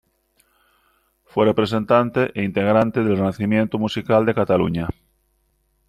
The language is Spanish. Fue representante e integrante del renacimiento musical de Cataluña.